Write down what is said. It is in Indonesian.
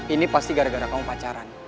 ini pasti gara gara kamu pacaran